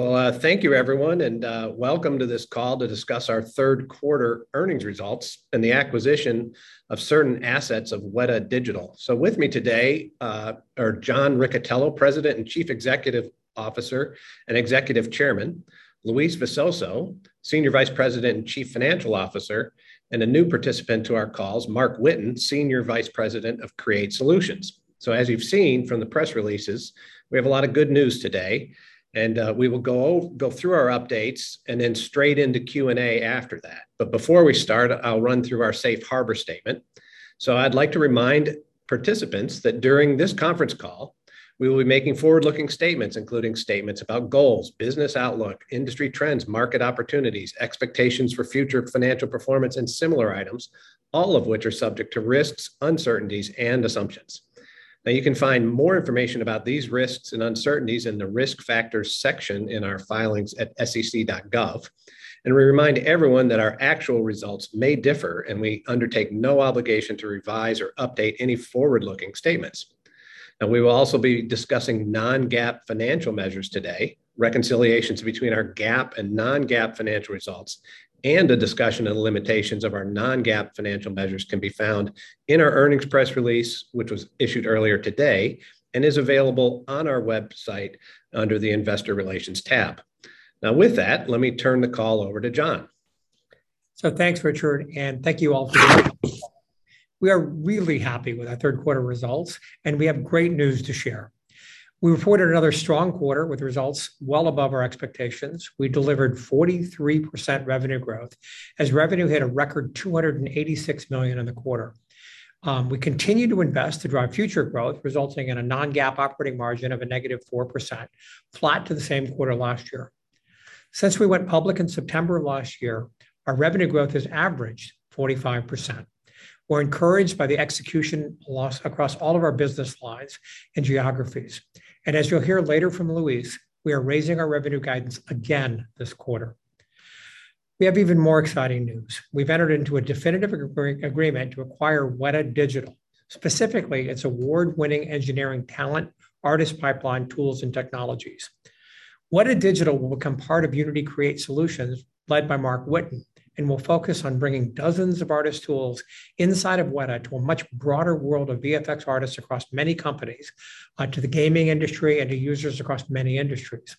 Well, thank you everyone, and welcome to this call to discuss our Q3 Earnings Results and the acquisition of certain assets of Wētā Digital. With me today are John Riccitiello, President and Chief Executive Officer and Executive Chairman, Luis Visoso, Senior Vice President and Chief Financial Officer, and a new participant to our calls, Marc Whitten, Senior Vice President of Create Solutions. As you've seen from the press releases, we have a lot of good news today, and we will go through our updates and then straight into Q&A after that. Before we start, I'll run through our safe harbor statement. I'd like to remind participants that during this conference call, we will be making forward-looking statements, including statements about goals, business outlook, industry trends, market opportunities, expectations for future financial performance and similar items, all of which are subject to risks, uncertainties and assumptions. Now, you can find more information about these risks and uncertainties in the Risk Factors section in our filings at sec.gov. We remind everyone that our actual results may differ, and we undertake no obligation to revise or update any forward-looking statements. Now, we will also be discussing non-GAAP financial measures today. Reconciliations between our GAAP and non-GAAP financial results and a discussion of the limitations of our non-GAAP financial measures can be found in our earnings press release, which was issued earlier today and is available on our website under the Investor Relations tab. Now, with that, let me turn the call over to John. Thanks, Richard, and thank you all for joining. We are really happy with our Q3 results, and we have great news to share. We reported another strong quarter with results well above our expectations. We delivered 43% revenue growth as revenue hit a record $286 million in the quarter. We continue to invest to drive future growth, resulting in a non-GAAP operating margin of -4%, flat to the same quarter last year. Since we went public in September last year, our revenue growth has averaged 45%. We're encouraged by the execution across all of our business lines and geographies. As you'll hear later from Luis, we are raising our revenue guidance again this quarter. We have even more exciting news. We've entered into a definitive agreement to acquire Wētā Digital, specifically its award-winning engineering talent, artist pipeline tools and technologies. Wētā Digital will become part of Unity Create Solutions, led by Marc Whitten, and will focus on bringing dozens of artist tools inside of Wētā to a much broader world of VFX artists across many companies, to the gaming industry, and to users across many industries.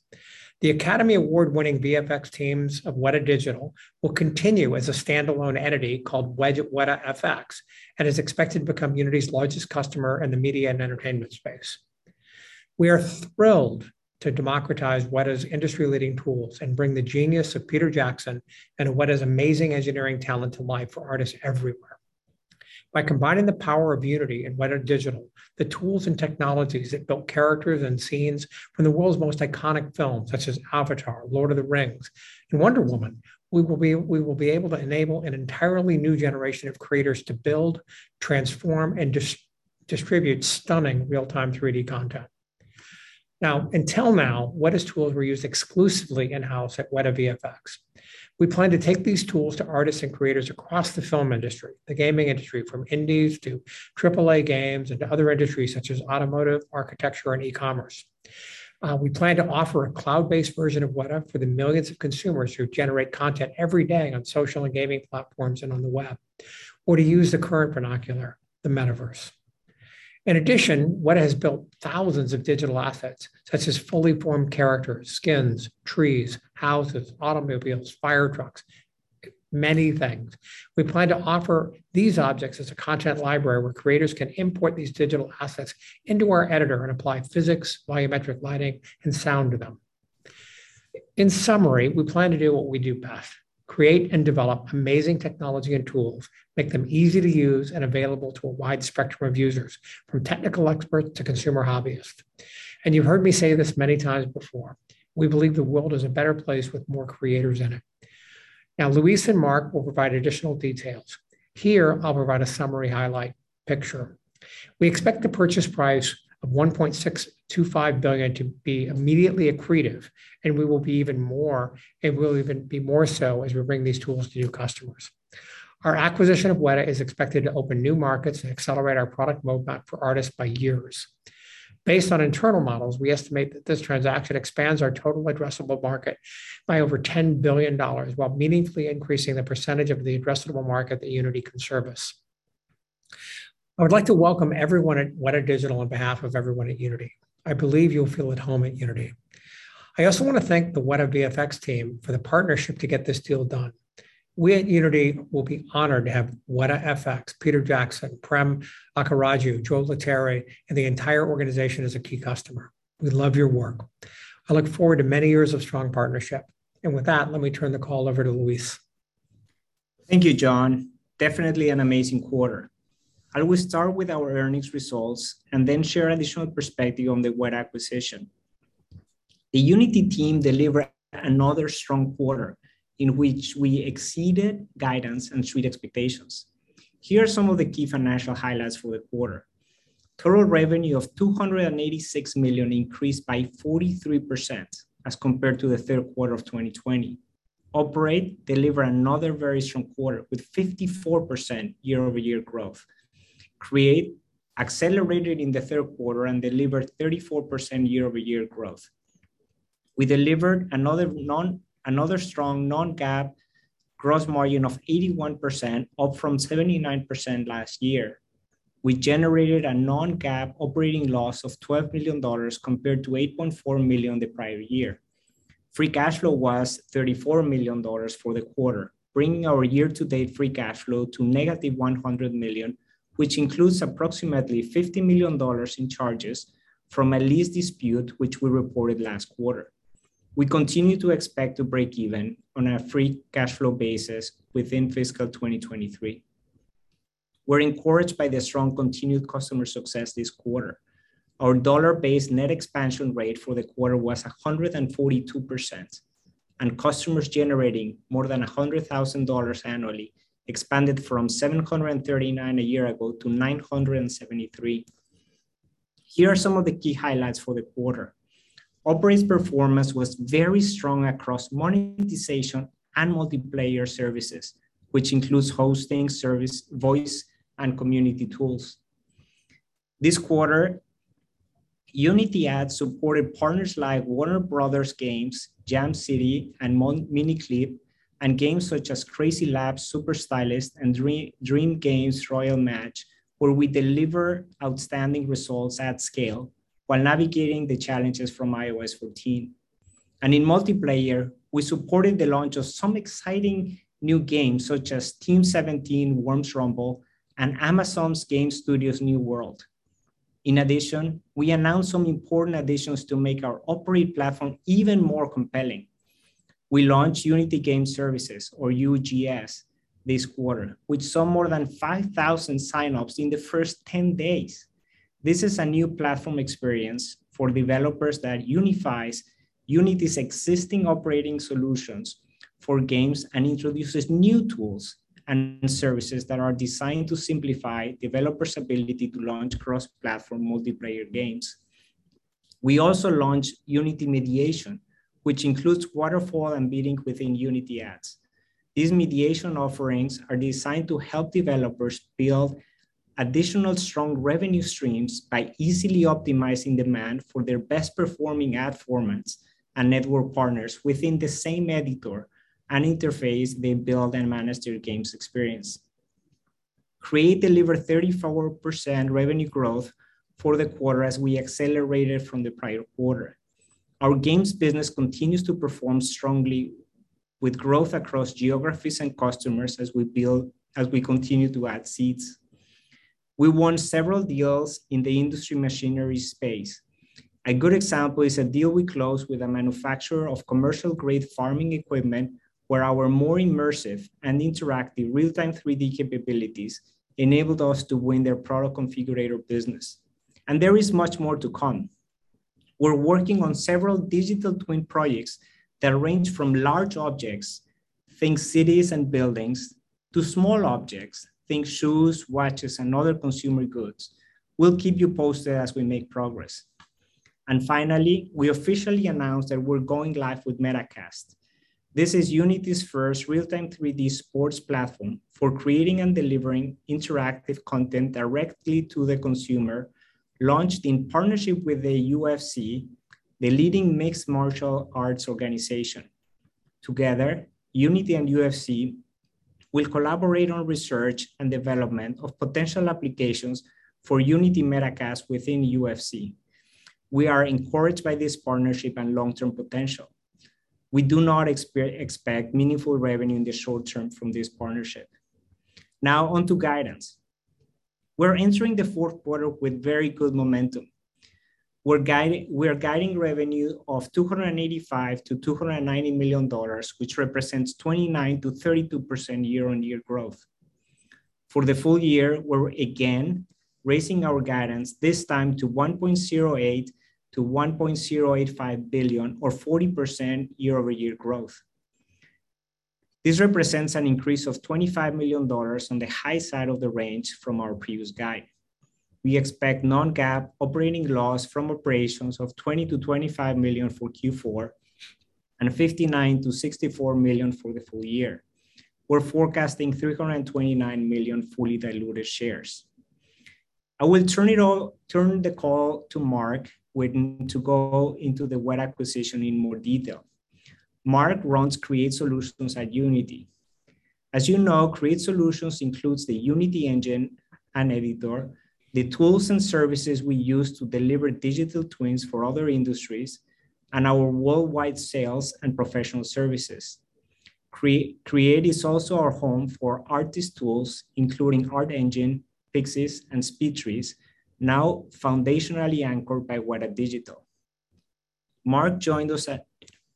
The Academy Award-winning VFX teams of Wētā Digital will continue as a standalone entity called Wētā FX and is expected to become Unity's largest customer in the media and entertainment space. We are thrilled to democratize Wētā's industry-leading tools and bring the genius of Peter Jackson and Wētā's amazing engineering talent to life for artists everywhere. By combining the power of Unity and Wētā Digital, the tools and technologies that built characters and scenes from the world's most iconic films such as Avatar, Lord of the Rings, and Wonder Woman, we will be able to enable an entirely new generation of creators to build, transform, and distribute stunning real-time 3D content. Now, until now, Wētā's tools were used exclusively in-house at Wētā FX. We plan to take these tools to artists and creators across the film industry, the gaming industry, from indies to triple A games, and to other industries such as automotive, architecture and e-commerce. We plan to offer a cloud-based version of Wētā for the millions of consumers who generate content every day on social and gaming platforms and on the web, or to use the current vernacular, the metaverse. In addition, Wētā has built thousands of digital assets, such as fully formed characters, skins, trees, houses, automobiles, fire trucks, many things. We plan to offer these objects as a content library where creators can import these digital assets into our editor and apply physics, volumetric lighting and sound to them. In summary, we plan to do what we do best, create and develop amazing technology and tools, make them easy to use and available to a wide spectrum of users, from technical experts to consumer hobbyists. You've heard me say this many times before, we believe the world is a better place with more creators in it. Now, Luis and Mark will provide additional details. Here, I'll provide a summary highlight picture. We expect the purchase price of $1.625 billion to be immediately accretive, and we will be even more. It will even be more so as we bring these tools to new customers. Our acquisition of Wētā is expected to open new markets and accelerate our product roadmap for artists by years. Based on internal models, we estimate that this transaction expands our total addressable market by over $10 billion while meaningfully increasing the percentage of the addressable market that Unity can service. I would like to welcome everyone at Wētā Digital on behalf of everyone at Unity. I believe you'll feel at home at Unity. I also wanna thank the Wētā VFX team for the partnership to get this deal done. We at Unity will be honored to have Wētā FX, Peter Jackson, Prem Akkaraju, Joe Letteri, and the entire organization as a key customer. We love your work. I look forward to many years of strong partnership. With that, let me turn the call over to Luis. Thank you, John. Definitely an amazing quarter. I will start with our earnings results and then share additional perspective on the Wētā acquisition. The Unity team delivered another strong quarter in which we exceeded guidance and Street expectations. Here are some of the key financial highlights for the quarter. Total revenue of $286 million increased by 43% as compared to the Q3 of 2020. Operate delivered another very strong quarter with 54% year-over-year growth. Create accelerated in the Q3 and delivered 34% year-over-year growth. We delivered another strong non-GAAP gross margin of 81%, up from 79% last year. We generated a non-GAAP operating loss of $12 million compared to $8.4 million the prior year. Free cash flow was $34 million for the quarter, bringing our year-to-date free cash flow to -$100 million, which includes approximately $50 million in charges from a lease dispute which we reported last quarter. We continue to expect to break even on a free cash flow basis within fiscal 2023. We're encouraged by the strong continued customer success this quarter. Our dollar-based net expansion rate for the quarter was 142%, and customers generating more than $100,000 annually expanded from 739 a year ago to 973. Here are some of the key highlights for the quarter. Operate's performance was very strong across monetization and multiplayer services, which includes hosting, service, voice, and community tools. This quarter, Unity Ads supported partners like Warner Bros. Games, Jam City, and Miniclip, and games such as CrazyLabs' Super Stylist and Dream Games' Royal Match, where we deliver outstanding results at scale while navigating the challenges from iOS 14. In multiplayer, we supported the launch of some exciting new games such as Team17: Worms Rumble and Amazon Game Studios' New World. In addition, we announced some important additions to make our Operate platform even more compelling. We launched Unity Game Services, or UGS, this quarter, with some more than 5,000 sign-ups in the first 10 days. This is a new platform experience for developers that unifies Unity's existing operating solutions for games and introduces new tools and services that are designed to simplify developers' ability to launch cross-platform multiplayer games. We also launched Unity Mediation, which includes Waterfall and Bidding within Unity Ads. These mediation offerings are designed to help developers build additional strong revenue streams by easily optimizing demand for their best-performing ad formats and network partners within the same editor and interface they build and manage their games experience. Create delivered 34% revenue growth for the quarter as we accelerated from the prior quarter. Our games business continues to perform strongly with growth across geographies and customers as we continue to add seats. We won several deals in the industry machinery space. A good example is a deal we closed with a manufacturer of commercial-grade farming equipment, where our more immersive and interactive real-time 3D capabilities enabled us to win their product configurator business. There is much more to come. We're working on several digital twin projects that range from large objects, think cities and buildings, to small objects, think shoes, watches, and other consumer goods. We'll keep you posted as we make progress. Finally, we officially announced that we're going live with Metacast. This is Unity's first real-time 3D sports platform for creating and delivering interactive content directly to the consumer, launched in partnership with the UFC, the leading mixed martial arts organization. Together, Unity and UFC will collaborate on research and development of potential applications for Unity Metacast within UFC. We are encouraged by this partnership and long-term potential. We do not expect meaningful revenue in the short term from this partnership. Now, onto guidance. We're entering the Q4 with very good momentum. We're guiding revenue of $285 to 290 million, which represents 29% to 32% year-on-year growth. For the full year, we're again raising our guidance, this time to $1.08 to 1.085 billion or 40% year-over-year growth. This represents an increase of $25 million on the high side of the range from our previous guide. We expect non-GAAP operating loss from operations of $20 to 25 million for Q4 and $59 to 64 million for the full year. We're forecasting 329 million fully diluted shares. I will turn the call to Marc Whitten to go into the Wētā acquisition in more detail. Marc runs Create Solutions at Unity. As you know, Create Solutions includes the Unity Engine and Editor, the tools and services we use to deliver digital twins for other industries, and our worldwide sales and professional services. Create is also our home for artist tools, including ArtEngine, Pixyz, and SpeedTree, now foundationally anchored by Wētā Digital. Marc joined us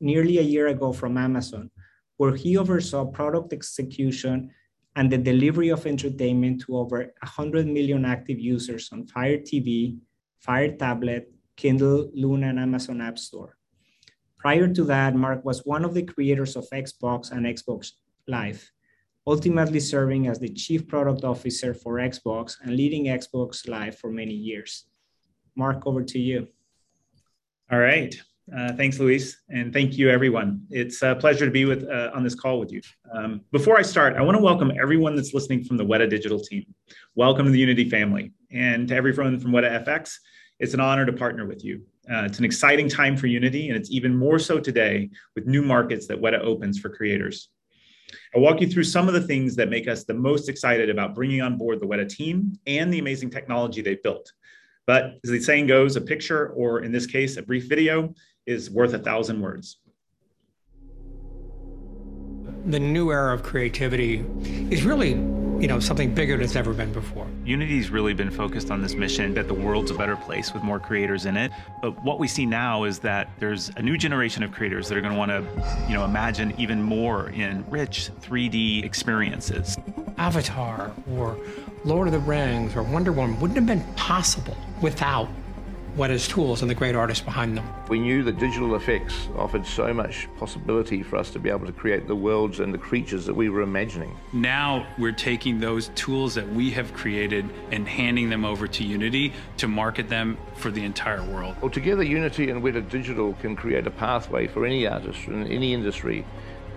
nearly a year ago from Amazon, where he oversaw product execution and the delivery of entertainment to over 100 million active users on Fire TV, Fire Tablet, Kindle, Luna, and Amazon Appstore. Prior to that, Marc was one of the creators of Xbox and Xbox Live, ultimately serving as the chief product officer for Xbox and leading Xbox Live for many years. Marc, over to you. All right. Thanks, Luis. Thank you, everyone. It's a pleasure to be with you on this call. Before I start, I wanna welcome everyone that's listening from the Wētā Digital team. Welcome to the Unity family. To everyone from Wētā FX, it's an honor to partner with you. It's an exciting time for Unity, and it's even more so today with new markets that Wētā opens for creators. I'll walk you through some of the things that make us the most excited about bringing on board the Wētā team and the amazing technology they've built. As the saying goes, a picture, or in this case, a brief video, is worth a thousand words. The new era of creativity is really, you know, something bigger than it's ever been before. Unity's really been focused on this mission that the world's a better place with more creators in it. What we see now is that there's a new generation of creators that are gonna wanna, you know, imagine even more in rich 3D experiences. Avatar or Lord of the Rings or Wonder Woman wouldn't have been possible without Wētā's tools and the great artists behind them. We knew that digital effects offered so much possibility for us to be able to create the worlds and the creatures that we were imagining. Now we're taking those tools that we have created and handing them over to Unity to market them for the entire world. Well, together, Unity and Wētā Digital can create a pathway for any artist in any industry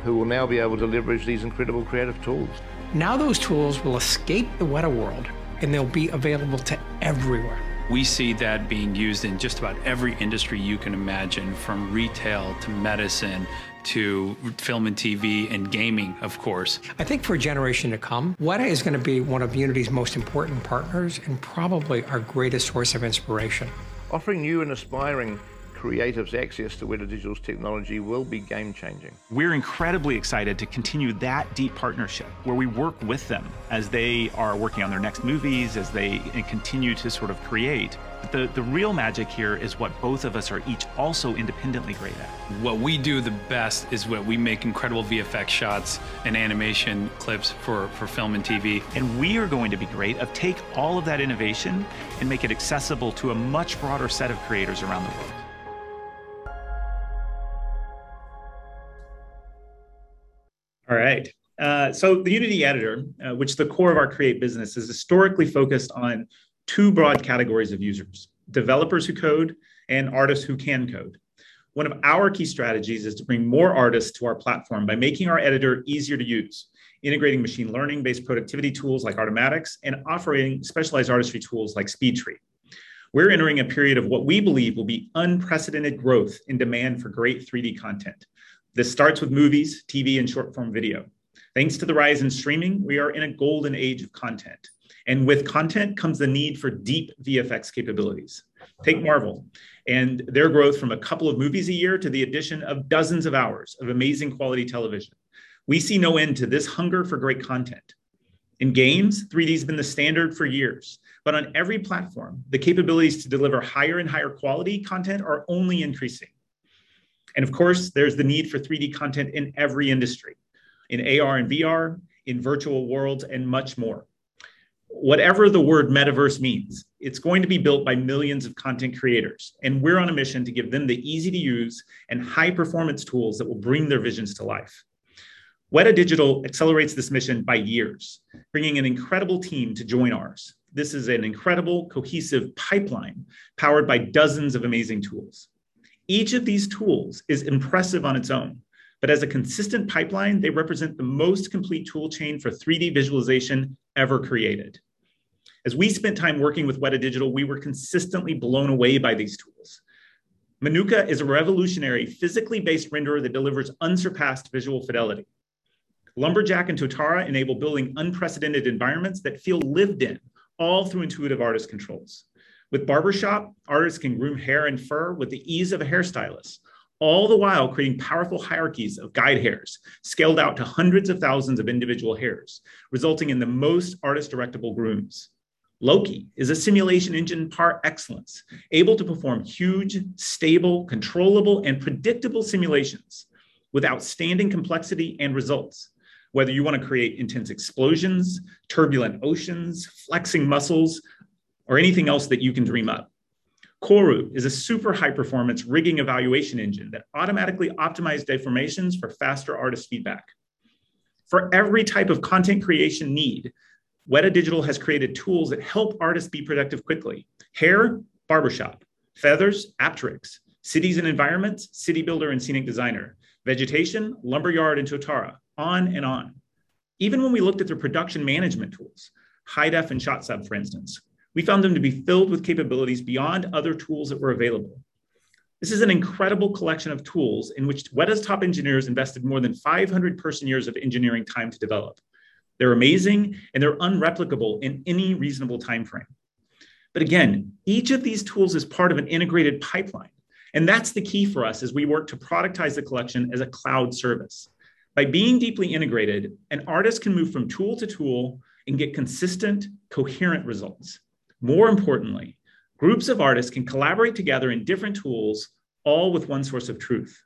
who will now be able to leverage these incredible creative tools. Now those tools will escape the Wētā world, and they'll be available everywhere. We see that being used in just about every industry you can imagine, from retail to medicine to film and TV and gaming, of course. I think for a generation to come, Wētā is gonna be one of Unity's most important partners and probably our greatest source of inspiration. Offering new and aspiring creatives access to Wētā Digital's technology will be game-changing. We're incredibly excited to continue that deep partnership where we work with them as they are working on their next movies, as they continue to sort of create. The real magic here is what both of us are each also independently great at. What we do the best is where we make incredible VFX shots and animation clips for film and TV. We are going to be great at taking all of that innovation and make it accessible to a much broader set of creators around the world. All right. The Unity Editor, which is the core of our Create business, is historically focused on two broad categories of users, developers who code and artists who can code. One of our key strategies is to bring more artists to our platform by making our editor easier to use, integrating machine learning-based productivity tools like Artomatix and offering specialized artistry tools like SpeedTree. We're entering a period of what we believe will be unprecedented growth and demand for great 3D content. This starts with movies, TV, and short-form video. Thanks to the rise in streaming, we are in a golden age of content. With content comes the need for deep VFX capabilities. Take Marvel and their growth from a couple of movies a year to the addition of dozens of hours of amazing quality television. We see no end to this hunger for great content. In games, 3D's been the standard for years, but on every platform, the capabilities to deliver higher and higher quality content are only increasing. Of course, there's the need for 3D content in every industry, in AR and VR, in virtual worlds, and much more. Whatever the word metaverse means, it's going to be built by millions of content creators, and we're on a mission to give them the easy-to-use and high-performance tools that will bring their visions to life. Wētā Digital accelerates this mission by years, bringing an incredible team to join ours. This is an incredible, cohesive pipeline powered by dozens of amazing tools. Each of these tools is impressive on its own, but as a consistent pipeline, they represent the most complete tool chain for 3D visualization ever created. As we spent time working with Wētā Digital, we were consistently blown away by these tools. Manuka is a revolutionary physically-based renderer that delivers unsurpassed visual fidelity. Lumberjack and Totara enable building unprecedented environments that feel lived in, all through intuitive artist controls. With Barbershop, artists can groom hair and fur with the ease of a hairstylist, all the while creating powerful hierarchies of guide hairs scaled out to hundreds of thousands of individual hairs, resulting in the most artist-directable grooms. Loki is a simulation engine par excellence, able to perform huge, stable, controllable, and predictable simulations with outstanding complexity and results, whether you wanna create intense explosions, turbulent oceans, flexing muscles, or anything else that you can dream up. Koru is a super high-performance rigging evaluation engine that automatically optimize deformations for faster artist feedback. For every type of content creation need, Wētā Digital has created tools that help artists be productive quickly. Hair, Barbershop. Feathers, Apteryx. Cities and environments, CityBuilder and Scenic Designer. Vegetation, Lumberjack and Totara, on and on. Even when we looked at their production management tools, HiDef and ShotSub, for instance, we found them to be filled with capabilities beyond other tools that were available. This is an incredible collection of tools in which Wētā's top engineers invested more than 500 person years of engineering time to develop. They're amazing, and they're unreplicable in any reasonable timeframe. Again, each of these tools is part of an integrated pipeline, and that's the key for us as we work to productize the collection as a cloud service. By being deeply integrated, an artist can move from tool to tool and get consistent, coherent results. More importantly, groups of artists can collaborate together in different tools, all with one source of truth.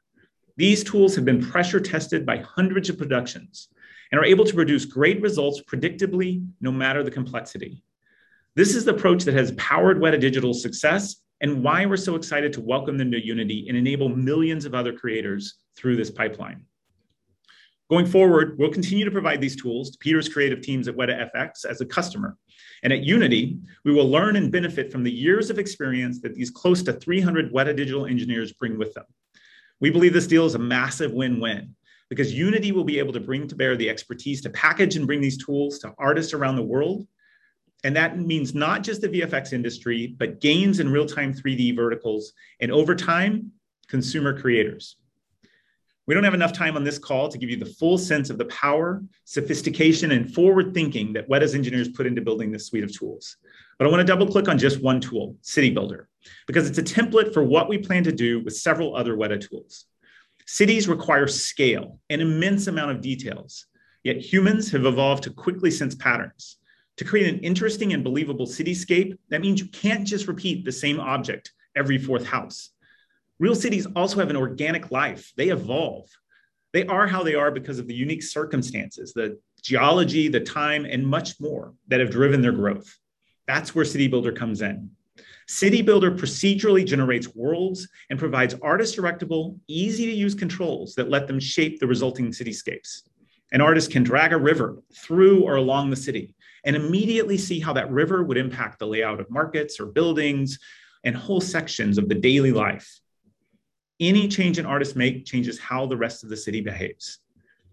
These tools have been pressure tested by hundreds of productions and are able to produce great results predictably, no matter the complexity. This is the approach that has powered Wētā Digital's success and why we're so excited to welcome them to Unity and enable millions of other creators through this pipeline. Going forward, we'll continue to provide these tools to Peter's creative teams at Wētā FX as a customer. At Unity, we will learn and benefit from the years of experience that these close to 300 Wētā Digital engineers bring with them. We believe this deal is a massive win-win because Unity will be able to bring to bear the expertise to package and bring these tools to artists around the world, and that means not just the VFX industry, but gains in real-time 3D verticals, and over time, consumer creators. We don't have enough time on this call to give you the full sense of the power, sophistication, and forward-thinking that Wētā's engineers put into building this suite of tools. I wanna double-click on just one tool, Citybuilder, because it's a template for what we plan to do with several other Wētā tools. Cities require scale, an immense amount of details, yet humans have evolved to quickly sense patterns. To create an interesting and believable cityscape, that means you can't just repeat the same object every fourth house. Real cities also have an organic life. They evolve. They are how they are because of the unique circumstances, the geology, the time, and much more that have driven their growth. That's where Citybuilder comes in. Citybuilder procedurally generates worlds and provides artist-directable, easy-to-use controls that let them shape the resulting cityscapes. An artist can drag a river through or along the city and immediately see how that river would impact the layout of markets or buildings and whole sections of the daily life. Any change an artist make changes how the rest of the city behaves,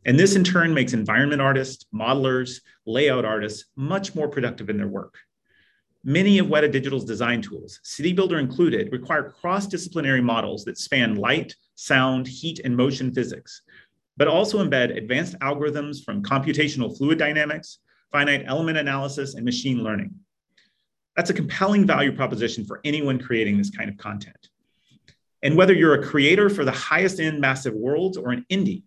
and this, in turn, makes environment artists, modelers, layout artists much more productive in their work. Many of Wētā Digital's design tools, Citybuilder included, require cross-disciplinary models that span light, sound, heat, and motion physics, but also embed advanced algorithms from computational fluid dynamics, finite element analysis, and machine learning. That's a compelling value proposition for anyone creating this kind of content. Whether you're a creator for the highest-end massive worlds or an indie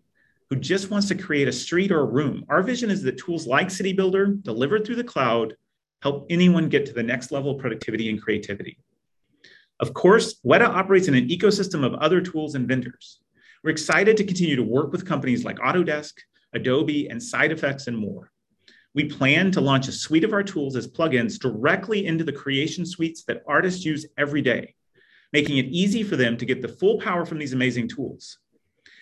who just wants to create a street or a room, our vision is that tools like Citybuilder, delivered through the cloud, help anyone get to the next level of productivity and creativity. Of course, Wētā operates in an ecosystem of other tools and vendors. We're excited to continue to work with companies like Autodesk, Adobe, and SideFX, and more. We plan to launch a suite of our tools as plugins directly into the creation suites that artists use every day, making it easy for them to get the full power from these amazing tools.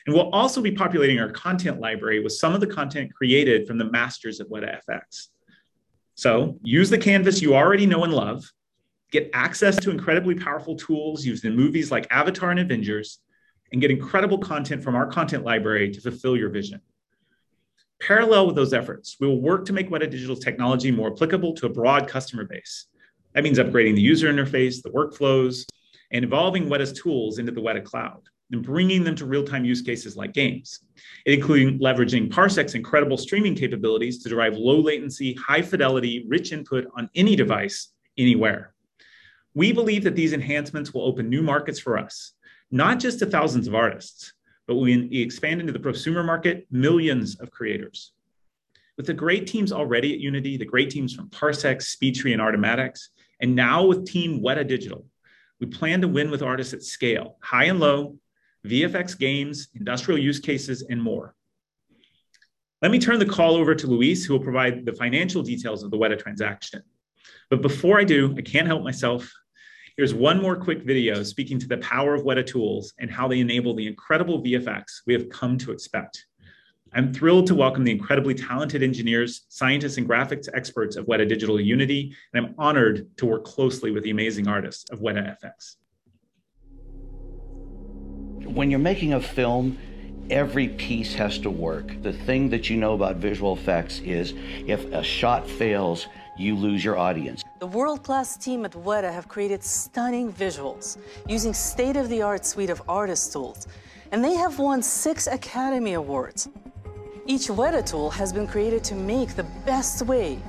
We'll also be populating our content library with some of the content created from the masters at Wētā FX. use the canvas you already know and love, get access to incredibly powerful tools used in movies like Avatar and Avengers, and get incredible content from our content library to fulfill your vision. In parallel with those efforts, we will work to make Wētā Digital's technology more applicable to a broad customer base. That means upgrading the user interface, the workflows, and evolving Wētā Digital's tools into the Wētā Cloud and bringing them to real-time use cases like games, including leveraging Parsec's incredible streaming capabilities to derive low-latency, high-fidelity, rich input on any device anywhere. We believe that these enhancements will open new markets for us, not just to thousands of artists, but when we expand into the prosumer market, millions of creators. With the great teams already at Unity, the great teams from Parsec, SpeedTree, and Artomatix, and now with Team Wētā Digital, we plan to win with artists at scale, high and low, VFX games, industrial use cases, and more. Let me turn the call over to Luis, who will provide the financial details of the Wētā transaction. Before I do, I can't help myself. Here's one more quick video speaking to the power of Wētā tools and how they enable the incredible VFX we have come to expect. I'm thrilled to welcome the incredibly talented engineers, scientists, and graphics experts of Wētā Digital to Unity, and I'm honored to work closely with the amazing artists of Wētā FX. When you're making a film, every piece has to work. The thing that you know about visual effects is if a shot fails, you lose your audience. The world-class team at Wētā have created stunning visuals using state-of-the-art suite of artist tools, and they have won six Academy Awards. Each Wētā tool has been created to make the best way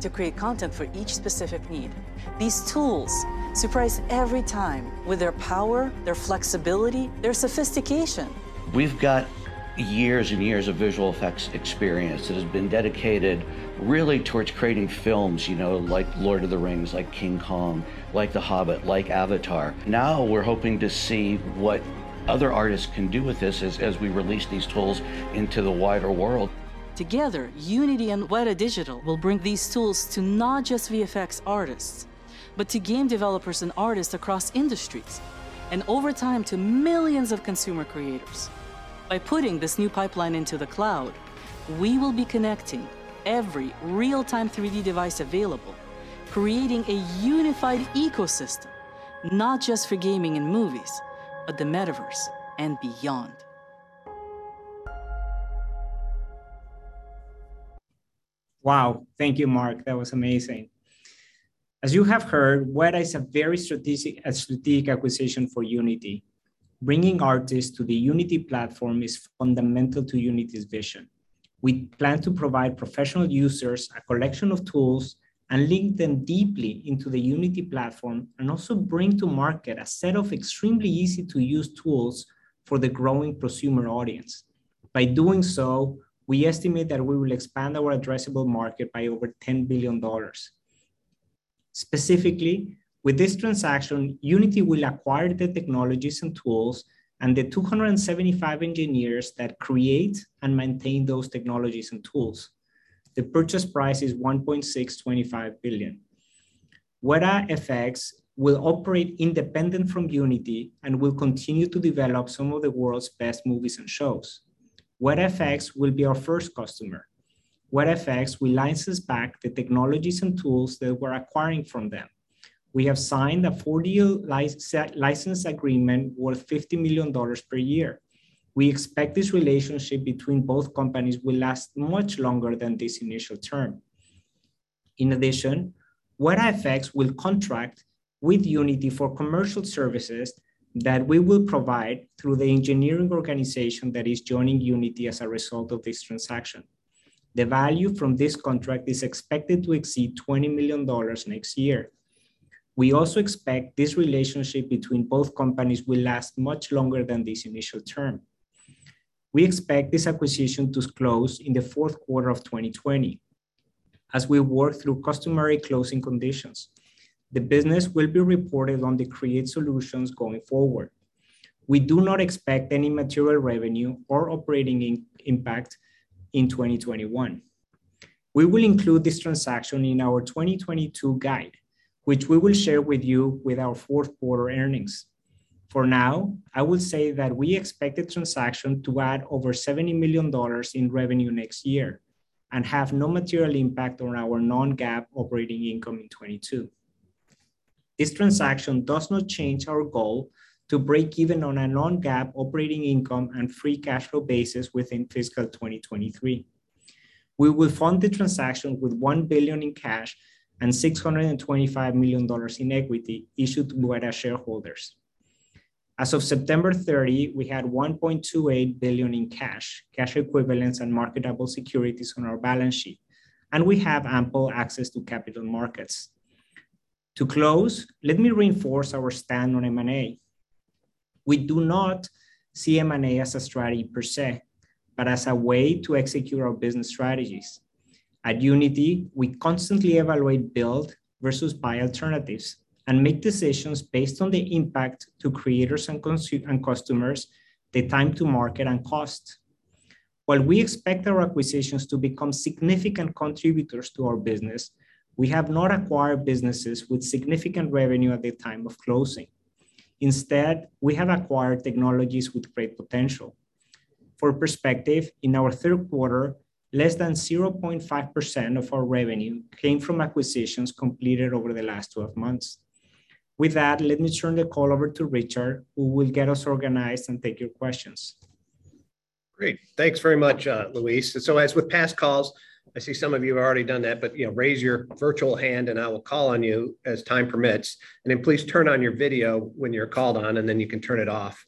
to create content for each specific need. These tools surprise every time with their power, their flexibility, their sophistication. We've got years and years of visual effects experience that has been dedicated really towards creating films, you know, like Lord of the Rings, like King Kong, like The Hobbit, like Avatar. Now, we're hoping to see what other artists can do with this as we release these tools into the wider world. Together, Unity and Wētā Digital will bring these tools to not just VFX artists, but to game developers and artists across industries, and over time, to millions of consumer creators. By putting this new pipeline into the cloud, we will be connecting every real-time 3D device available, creating a unified ecosystem, not just for gaming and movies, but the Metaverse and beyond. Wow. Thank you, Marc. That was amazing. As you have heard, Wētā is a very strategic acquisition for Unity. Bringing artists to the Unity platform is fundamental to Unity's vision. We plan to provide professional users a collection of tools and link them deeply into the Unity platform and also bring to market a set of extremely easy-to-use tools for the growing prosumer audience. By doing so, we estimate that we will expand our addressable market by over $10 billion. Specifically, with this transaction, Unity will acquire the technologies and tools and the 275 engineers that create and maintain those technologies and tools. The purchase price is $1.625 billion. Wētā FX will operate independent from Unity and will continue to develop some of the world's best movies and shows. Wētā FX will be our first customer. Wētā FX will license back the technologies and tools that we're acquiring from them. We have signed a 40-year license agreement worth $50 million per year. We expect this relationship between both companies will last much longer than this initial term. In addition, Wētā FX will contract with Unity for commercial services that we will provide through the engineering organization that is joining Unity as a result of this transaction. The value from this contract is expected to exceed $20 million next year. We also expect this relationship between both companies will last much longer than this initial term. We expect this acquisition to close in the Q4 of 2020. As we work through customary closing conditions, the business will be reported under Create Solutions going forward. We do not expect any material revenue or operating impact in 2021. We will include this transaction in our 2022 guide, which we will share with you with our Q4 earnings. For now, I will say that we expect the transaction to add over $70 million in revenue next year and have no material impact on our non-GAAP operating income in 2022. This transaction does not change our goal to break even on a non-GAAP operating income and free cash flow basis within fiscal 2023. We will fund the transaction with $1 billion in cash and $625 million in equity issued to Wētā shareholders. As of 30 September we had $1.28 billion in cash equivalents, and marketable securities on our balance sheet, and we have ample access to capital markets. To close, let me reinforce our stand on M&A. We do not see M&A as a strategy per se, but as a way to execute our business strategies. At Unity, we constantly evaluate build versus buy alternatives and make decisions based on the impact to creators and customers, the time to market and cost. While we expect our acquisitions to become significant contributors to our business, we have not acquired businesses with significant revenue at the time of closing. Instead, we have acquired technologies with great potential. For perspective, in our Q3, less than 0.5% of our revenue came from acquisitions completed over the last 12 months. With that, let me turn the call over to Richard, who will get us organized and take your questions. Great. Thanks very much, Luis. As with past calls, I see some of you have already done that, but you know, raise your virtual hand, and I will call on you as time permits. Please turn on your video when you're called on, and then you can turn it off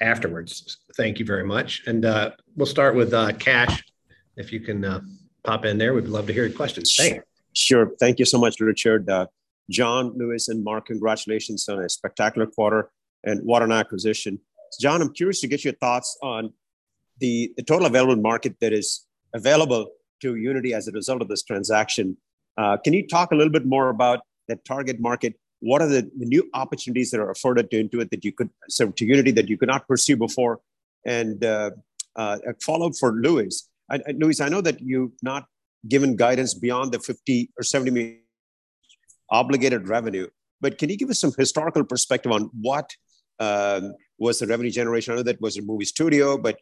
afterwards. Thank you very much. We'll start with Kash. If you can pop in there, we'd love to hear your questions. Hey. Sure. Thank you so much, Richard. John, Luis, and Marc, congratulations on a spectacular quarter, and what an acquisition. John, I'm curious to get your thoughts on the total available market that is available to Unity as a result of this transaction. Can you talk a little bit more about the target market? What are the new opportunities that are afforded to Unity that you could not pursue before? A follow-up for Luis. Luis, I know that you've not given guidance beyond the $50 million or $70 million obligated revenue, but can you give us some historical perspective on what was the revenue generation? I know that was a movie studio, but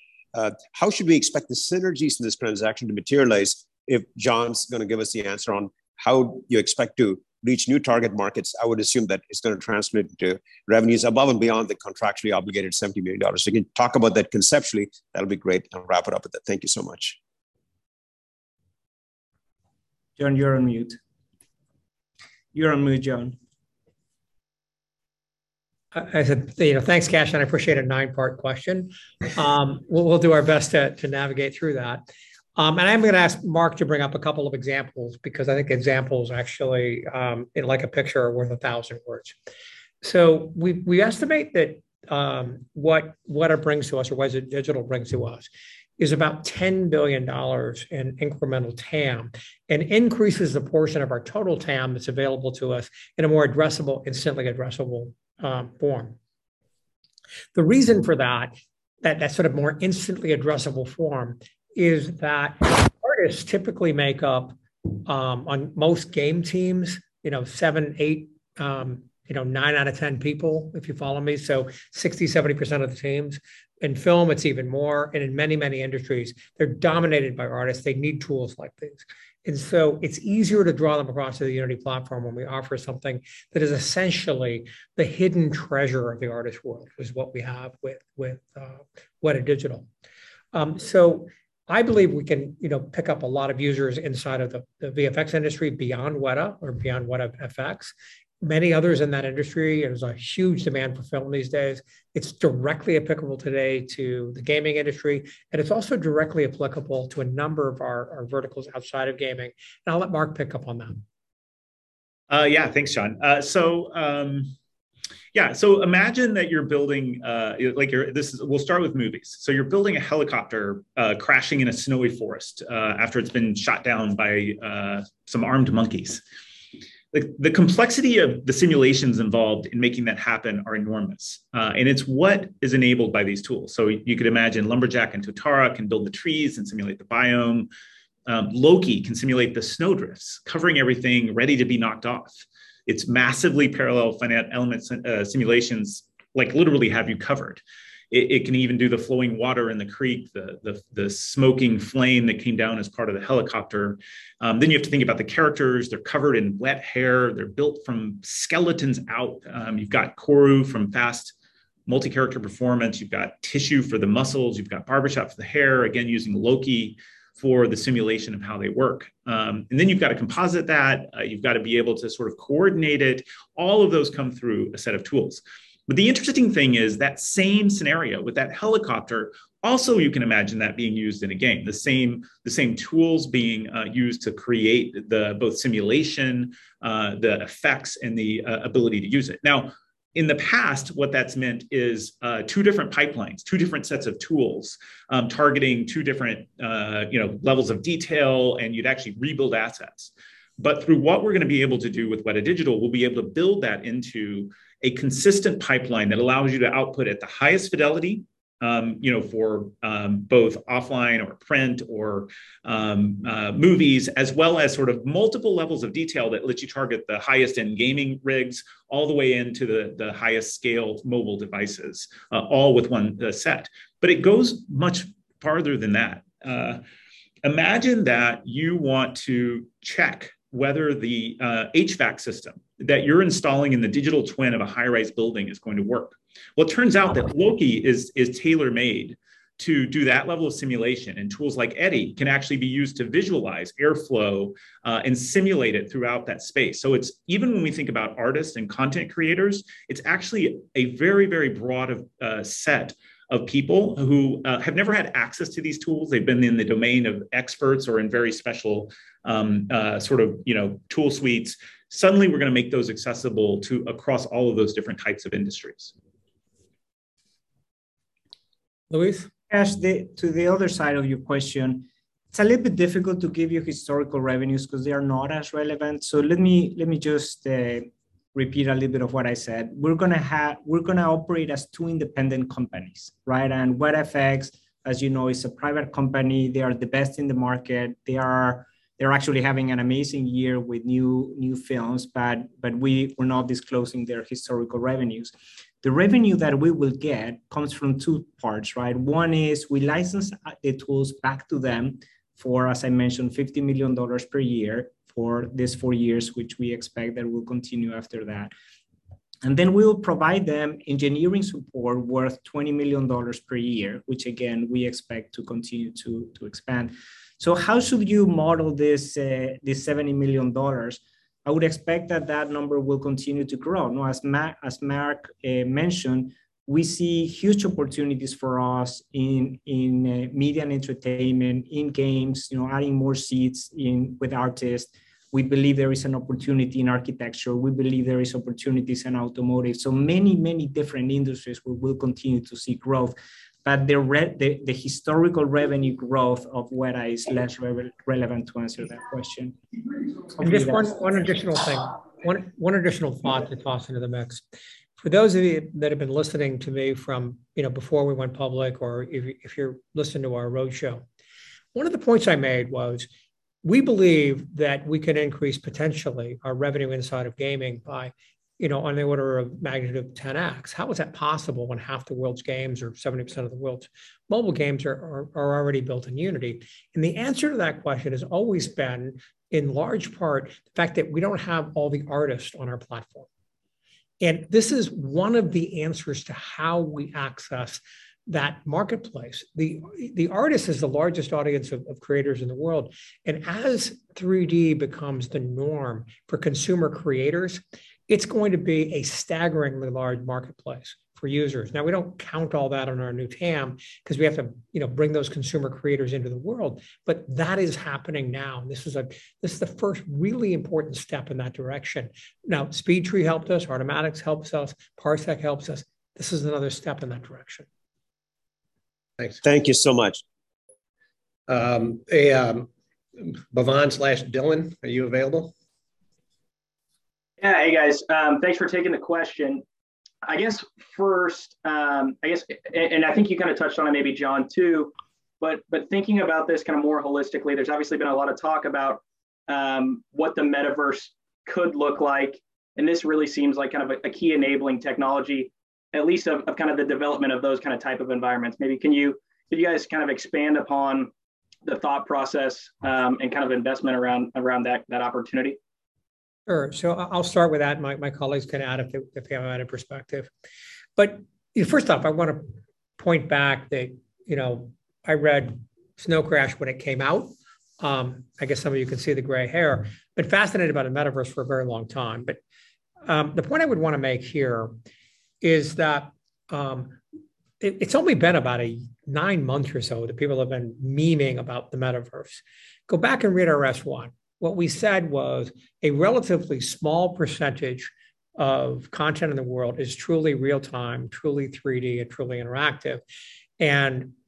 how should we expect the synergies in this transaction to materialize? If John's gonna give us the answer on how you expect to reach new target markets, I would assume that it's gonna transmit to revenues above and beyond the contractually obligated $70 million. If you can talk about that conceptually, that'll be great, and I'll wrap it up with that. Thank you so much. John, you're on mute. You're on mute, John. As you know, thanks, Kash, and I appreciate a nine-part question. We'll do our best to navigate through that. And I'm gonna ask Marc to bring up a couple of examples because I think examples actually, in like a picture, are worth a thousand words. We estimate that what Wētā brings to us or what Wētā Digital brings to us is about $10 billion in incremental TAM and increases the portion of our total TAM that's available to us in a more addressable, instantly addressable form. The reason for that sort of more instantly addressable form is that artists typically make up, on most game teams, you know, seven, eight, you know, nine out of 10 people, if you follow me, so 60% to 70% of the teams. In film, it's even more, and in many, many industries, they're dominated by artists. They need tools like this. It's easier to draw them across to the Unity platform when we offer something that is essentially the hidden treasure of the artist world, is what we have with Wētā Digital. I believe we can, you know, pick up a lot of users inside of the VFX industry beyond Wētā or beyond Wētā FX. Many others in that industry, there's a huge demand for film these days. It's directly applicable today to the gaming industry, and it's also directly applicable to a number of our verticals outside of gaming. I'll let Marc pick up on that. Yeah. Thanks, John. Imagine that you're building a helicopter crashing in a snowy forest after it's been shot down by some armed monkeys. The complexity of the simulations involved in making that happen are enormous, and it's what is enabled by these tools. You could imagine Lumberjack and Totara can build the trees and simulate the biome. Loki can simulate the snowdrifts, covering everything ready to be knocked off. Its massively parallel finite element simulations, like, literally have you covered. It can even do the flowing water in the creek, the smoking flame that came down as part of the helicopter. Then you have to think about the characters. They're covered in wet hair. They're built from skeletons out. You've got Koru from Fast Multi-Character Performance. You've got Tissue for the muscles. You've got Barbershop for the hair, again, using Loki for the simulation of how they work. Then you've got to composite that. You've got to be able to sort of coordinate it. All of those come through a set of tools. The interesting thing is that same scenario with that helicopter, also you can imagine that being used in a game. The same tools being used to create both the simulation, the effects, and the ability to use it. In the past, what that's meant is two different pipelines, two different sets of tools, targeting two different, you know, levels of detail, and you'd actually rebuild assets. Through what we're gonna be able to do with Wētā Digital, we'll be able to build that into a consistent pipeline that allows you to output at the highest fidelity, you know, for both offline or print or movies, as well as sort of multiple levels of detail that lets you target the highest-end gaming rigs all the way into the highest-scale mobile devices, all with one set. It goes much farther than that. Imagine that you want to check whether the HVAC system that you're installing in the digital twin of a high-rise building is going to work. Well, it turns out that Loki is tailor-made to do that level of simulation, and tools like Eddy can actually be used to visualize airflow and simulate it throughout that space. It's even when we think about artists and content creators, it's actually a very, very broad set of people who have never had access to these tools. They've been in the domain of experts or in very special sort of, you know, tool suites. Suddenly, we're gonna make those accessible across all of those different types of industries. Luis? Kash, to the other side of your question, it's a little bit difficult to give you historical revenues because they are not as relevant, so let me just repeat a little bit of what I said. We're gonna operate as two independent companies, right? Wētā FX, as you know, is a private company. They are the best in the market. They are actually having an amazing year with new films, but we're not disclosing their historical revenues. The revenue that we will get comes from two parts, right? One is we license the tools back to them for, as I mentioned, $50 million per year for these 4 years, which we expect that will continue after that. We'll provide them engineering support worth $20 million per year, which again, we expect to continue to expand. How should you model this $70 million? I would expect that that number will continue to grow. Now, as Marc mentioned, we see huge opportunities for us in media and entertainment, in games, you know, adding more seats in with artists. We believe there is an opportunity in architecture. We believe there is opportunities in automotive. So many, many different industries where we'll continue to see growth. The historical revenue growth of Wētā is less relevant to answer that question. Just one additional thing. One additional thought to toss into the mix. For those of you that have been listening to me from, you know, before we went public or if you're listening to our roadshow, one of the points I made was we believe that we can increase potentially our revenue inside of gaming by, you know, on the order of magnitude of 10X. How is that possible when half the world's games or 70% of the world's mobile games are already built in Unity? The answer to that question has always been, in large part, the fact that we don't have all the artists on our platform. The artist is the largest audience of creators in the world. As 3D becomes the norm for consumer creators, it's going to be a staggeringly large marketplace for users. Now, we don't count all that on our new TAM because we have to, you know, bring those consumer creators into the world. That is happening now, and this is the first really important step in that direction. Now, SpeedTree helped us. Artomatix helps us. Parsec helps us. This is another step in that direction. Thanks. Thank you so much. Dylan Becker, are you available? Yeah. Hey, guys. Thanks for taking the question. I guess first, I think you kinda touched on it maybe, John, too, but thinking about this kind of more holistically, there's obviously been a lot of talk about what the metaverse could look like, and this really seems like kind of a key enabling technology at least of kind of the development of those kind of type of environments. Maybe you could guys kind of expand upon the thought process and kind of investment around that opportunity? Sure. I'll start with that, and my colleagues can add if they have additional perspective. First off, I want to point out that, you know, I read Snow Crash when it came out. I guess some of you can see the gray hair. I've been fascinated about a metaverse for a very long time. The point I would want to make here is that it's only been about nine months or so that people have been memeing about the metaverse. Go back and read our S-1. What we said was a relatively small percentage of content in the world is truly real-time, truly 3D, and truly interactive.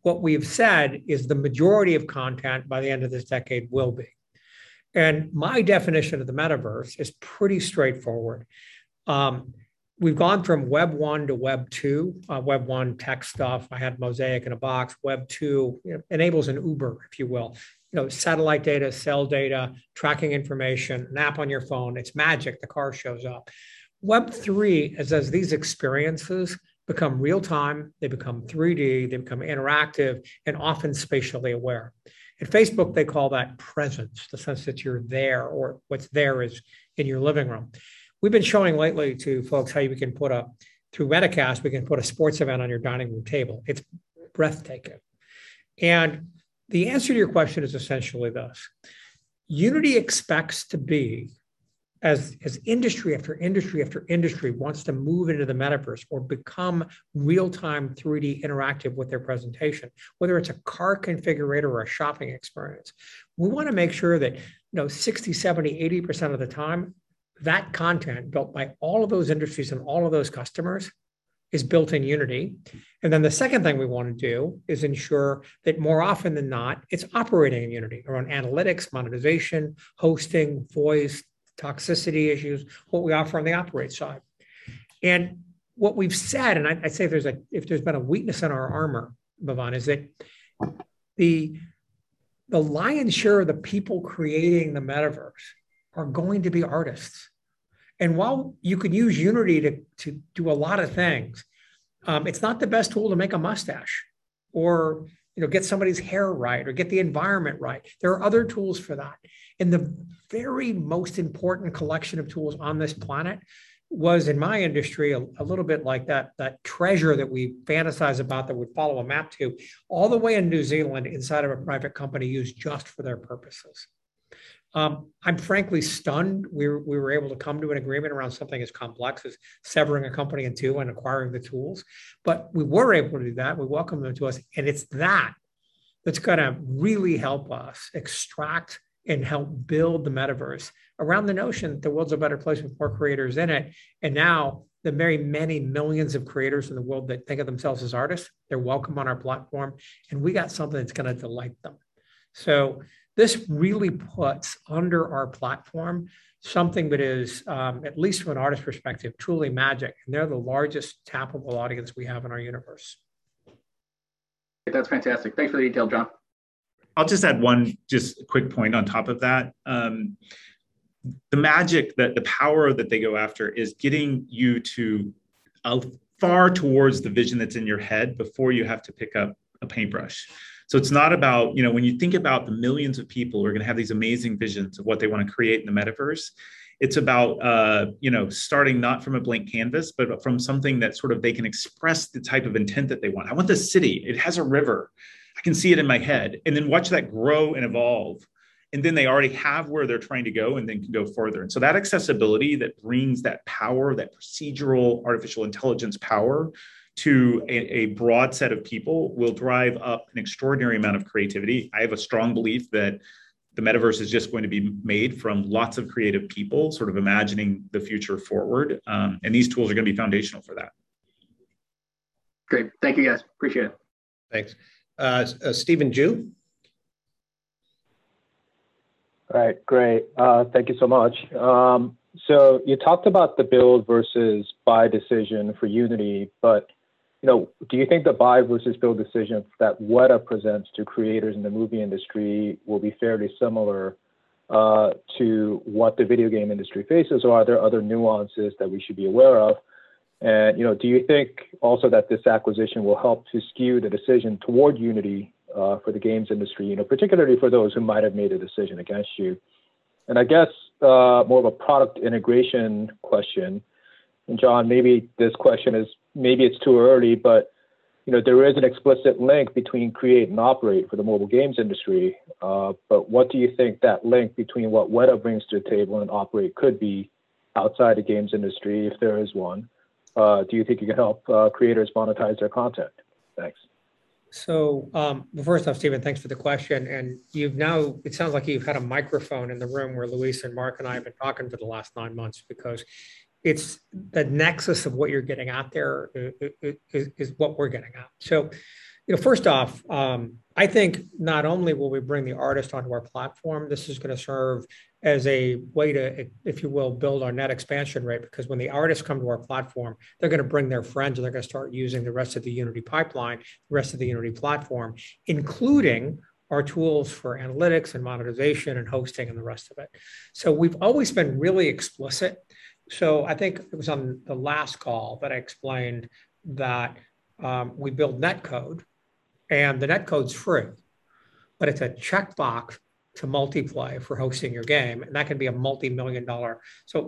What we've said is the majority of content by the end of this decade will be. My definition of the metaverse is pretty straightforward. We've gone from Web 1.0 to Web 2.0. Web 1.0 tech stuff. I had Mosaic in a box. Web 2.0, you know, enables an Uber, if you will. You know, satellite data, cell data, tracking information, an app on your phone. It's magic. The car shows up. Web 3.0 is as these experiences become real-time, they become 3D, they become interactive and often spatially aware. At Facebook, they call that presence, the sense that you're there or what's there is in your living room. We've been showing lately to folks how you can put through Metacast, we can put a sports event on your dining room table. It's breathtaking. The answer to your question is essentially this. Unity expects to be as industry after industry after industry wants to move into the metaverse or become real-time 3D interactive with their presentation, whether it's a car configurator or a shopping experience. We wanna make sure that, you know, 60, 70, 80% of the time, that content built by all of those industries and all of those customers is built in Unity. The second thing we wanna do is ensure that more often than not, it's operating in Unity around analytics, monetization, hosting, voice, toxicity issues, what we offer on the Operate side. What we've said, I'd say if there's been a weakness in our armor, Dylan, is that the lion's share of the people creating the metaverse are going to be artists. While you could use Unity to do a lot of things, it's not the best tool to make a mustache or, you know, get somebody's hair right or get the environment right. There are other tools for that. The very most important collection of tools on this planet was, in my industry, a little bit like that treasure that we fantasize about that we follow a map to all the way in New Zealand inside of a private company used just for their purposes. I'm frankly stunned we were able to come to an agreement around something as complex as severing a company in two and acquiring the tools. We were able to do that. We welcome them to us, and it's that that's gonna really help us extract and help build the metaverse around the notion that the world's a better place with more creators in it. Now the very many millions of creators in the world that think of themselves as artists, they're welcome on our platform, and we got something that's gonna delight them. This really puts under our platform something that is, at least from an artist perspective, truly magic. They're the largest tappable audience we have in our universe. That's fantastic. Thanks for the detail, John. I'll just add one quick point on top of that. The magic, the power that they go after is getting you as far towards the vision that's in your head before you have to pick up a paintbrush. It's not about, you know, when you think about the millions of people who are gonna have these amazing visions of what they wanna create in the metaverse, it's about, you know, starting not from a blank canvas, but from something so that they can express the type of intent that they want. I want this city. It has a river. I can see it in my head. Watch that grow and evolve, and then they already have where they're trying to go and then can go further. That accessibility that brings that power, that procedural artificial intelligence power to a broad set of people will drive up an extraordinary amount of creativity. I have a strong belief that the metaverse is just going to be made from lots of creative people sort of imagining the future forward, and these tools are gonna be foundational for that. Great. Thank you, guys. Appreciate it. Thanks. Stephen Ju? All right. Great. Thank you so much. You talked about the build versus buy decision for Unity, but, you know, do you think the buy versus build decision that Wētā presents to creators in the movie industry will be fairly similar to what the video game industry faces, or are there other nuances that we should be aware of? You know, do you think also that this acquisition will help to skew the decision toward Unity for the games industry, you know, particularly for those who might have made a decision against you? I guess more of a product integration question, and John, maybe it's too early, but you know, there is an explicit link between Create and Operate for the mobile games industry, but what do you think that link between what Wētā brings to the table and Operate could be outside the games industry if there is one? Do you think you can help creators monetize their content? Thanks. First off, Steven, thanks for the question. It sounds like you've now had a microphone in the room where Luis and Marc and I have been talking for the last nine months because it's the nexus of what you're getting at there is what we're getting at. You know, first off, I think not only will we bring the artist onto our platform, this is gonna serve as a way to, if you will, build our net expansion rate because when the artists come to our platform, they're gonna bring their friends, and they're gonna start using the rest of the Unity pipeline, the rest of the Unity platform, including our tools for analytics and monetization and hosting and the rest of it. We've always been really explicit. I think it was on the last call that I explained that we build Netcode, and the Netcode's free. But it's a checkbox to Multiplay for hosting your game, and that can be a multimillion-dollar,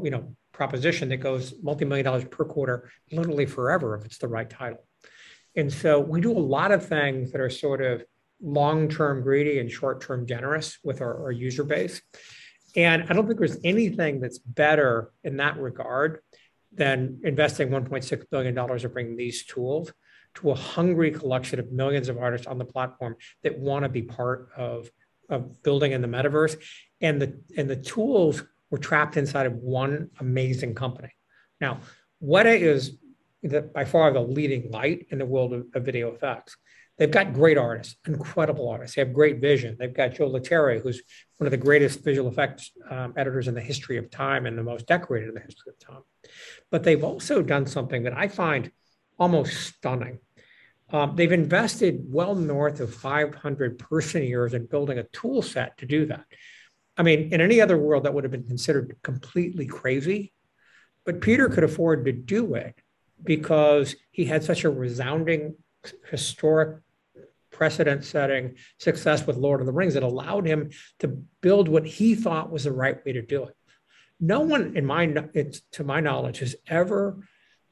you know, proposition that goes multimillion dollars per quarter literally forever if it's the right title. We do a lot of things that are sort of long-term greedy and short-term generous with our user base. I don't think there's anything that's better in that regard than investing $1.6 billion or bringing these tools to a hungry collection of millions of artists on the platform that wanna be part of building in the metaverse. The tools were trapped inside of one amazing company. Now, Wētā. That's by far the leading light in the world of video effects. They've got great artists, incredible artists. They have great vision. They've got Joe Letteri, who's one of the greatest visual effects editors in the history of time and the most decorated in the history of time. They've also done something that I find almost stunning. They've invested well north of 500 person years in building a tool set to do that. I mean, in any other world, that would've been considered completely crazy. Peter could afford to do it because he had such a resounding historic precedent-setting success with Lord of the Rings that allowed him to build what he thought was the right way to do it. No one, to my knowledge, has ever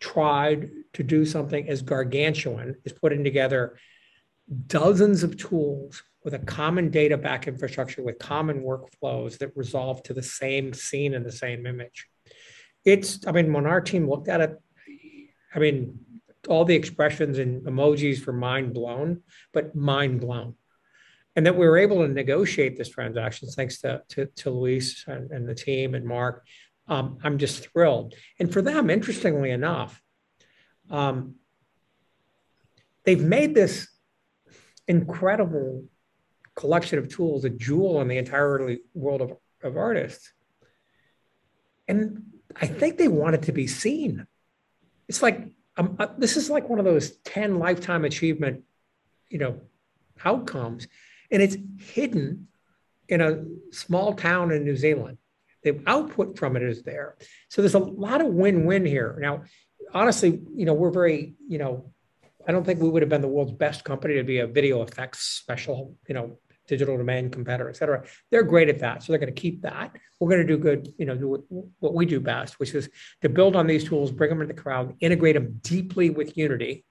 tried to do something as gargantuan as putting together dozens of tools with a common database infrastructure, with common workflows that resolve to the same scene and the same image. I mean, when our team looked at it, I mean, all the expressions and emojis were mind-blown. That we were able to negotiate this transaction, thanks to Luis and the team and Marc, I'm just thrilled. For them, interestingly enough, they've made this incredible collection of tools, a jewel in the entire world of artists, and I think they want it to be seen. It's like this is like one of those once-in-a-lifetime, you know, outcomes, and it's hidden in a small town in New Zealand. The output from it is there. There's a lot of win-win here. Now, honestly, you know, we're very, you know, I don't think we would've been the world's best company to be a VFX specialist, you know, Digital Domain competitor, et cetera. They're great at that, so they're gonna keep that. We're gonna do good, you know, do what we do best, which is to build on these tools, bring them into the cloud, integrate them deeply with Unity.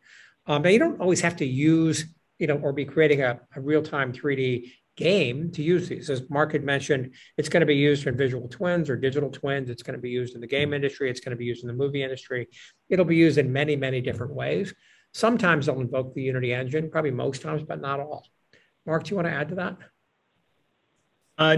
You don't always have to use, you know, or be creating a real-time 3D game to use these. As Marc had mentioned, it's gonna be used in virtual twins or digital twins. It's gonna be used in the game industry. It's gonna be used in the movie industry. It'll be used in many, many different ways. Sometimes it'll invoke the Unity engine, probably most times, but not all. Marc, do you wanna add to that?